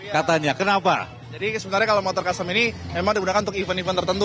katanya kenapa jadi sebenarnya kalau motor custom ini memang digunakan untuk event event tertentu